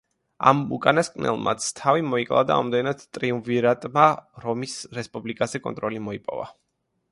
ამ უკანასკნელმაც თავი მოიკლა და ამდენად, ტრიუმვირატმა რომის რესპუბლიკაზე კონტროლი მოიპოვა.